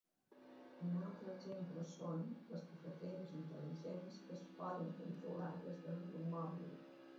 Un altre exemple són les cafeteres intel·ligents que es poden controlar des del mòbil.